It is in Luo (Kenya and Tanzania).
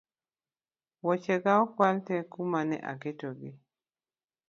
Woche ga okwal tee kuma ne aketo gi